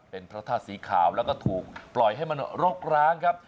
เป็นพระธาตุสีขาวแล้วก็ถูกปล่อยให้มันรกร้างครับ